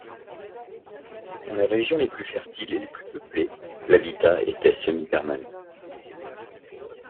Dans les régions les plus fertiles et les plus peuplées, l’habitat était semi-permanent.